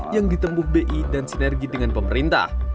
yang ditempuh bi dan sinergi dengan pemerintah